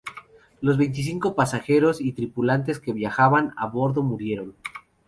Los veinticinco pasajeros y tripulantes que viajaban a bordo murieron.